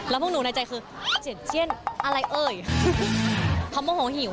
แล้วพวกหนูในใจคือเจียดเจี้ยนอะไรเอ่ยเขาโมโหหิว